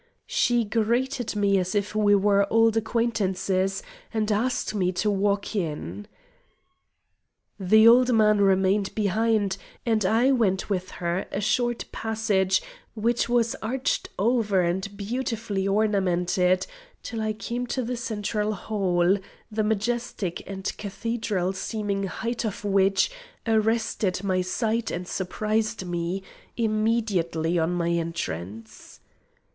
She greeted me as if we were old acquaintances, and asked me to walk in. The old man remained behind, and I went with her along a short passage, which was arched over and beautifully ornamented, till I came to the central hall; the majestic and cathedral seeming height of which arrested my sight and surprised me, immediately on my entrance.